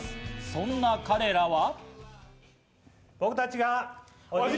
そんな彼らは。